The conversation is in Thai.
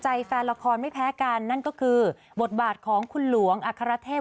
ใจแฟนละครไม่แพ้กันนั่นก็คือบทบาทของคุณหลวงอัครเทพ